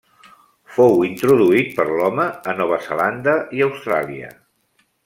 Fou introduït per l'home a Nova Zelanda i Austràlia.